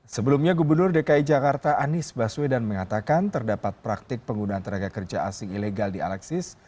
sebelumnya gubernur dki jakarta anies baswedan mengatakan terdapat praktik penggunaan tenaga kerja asing ilegal di alexis